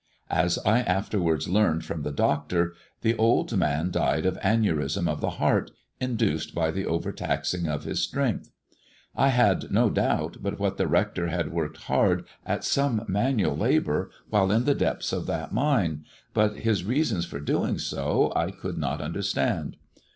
As I afterwards learned from the doctor, the old man died of aneurism of the heart, induced by the overtaxing of his strength. I had no doubt but what the Kector had worked hard at some manual labour while in the depths of that mine, but his reasons for so doing I could not understand.